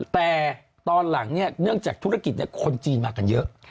แต่ตอนหลังเนื่องจากธุรกิจคนจีนมากันเยอะ